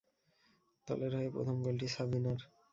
দলের হয়ে প্রথম গোলটি সাবিনার।